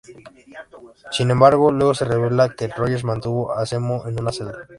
Sin embargo, luego se revela que Rogers mantuvo a Zemo en una celda.